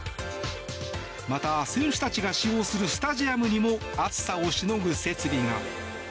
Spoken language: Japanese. また、選手たちが使用するスタジアムにも暑さをしのぐ設備が。